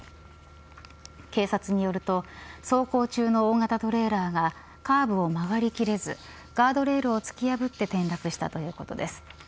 警察によると走行中の大型トレーラーがカーブを曲がりきれずガードレールを突き破って転落したということです。